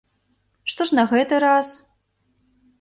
Што ж на гэты раз?